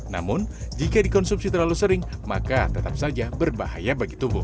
namun jika dikonsumsi terlalu sering maka tetap saja berbahaya bagi tubuh